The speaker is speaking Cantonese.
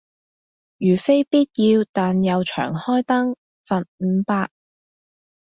如非必要但又長開燈，罰五百